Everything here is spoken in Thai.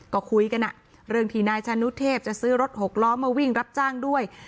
ก็คุยกันเรื่องที่นายชานุเทพจะซื้อรถหกล้อมาวิ่งรับจ้างด้วย